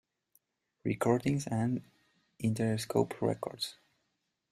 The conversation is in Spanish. Recordings y Interscope Records.